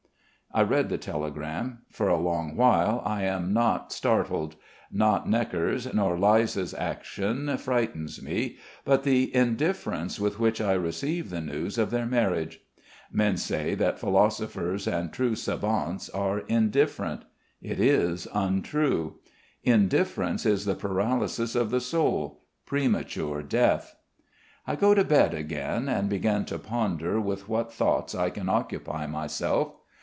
I read the telegram. For a long while I am not startled. Not Gnekker's or Liza's action frightens me, but the indifference with which I receive the news of their marriage. Men say that philosophers and true savants are indifferent. It is untrue. Indifference is the paralysis of the soul, premature death. I go to bed again and begin to ponder with what thoughts I can occupy myself.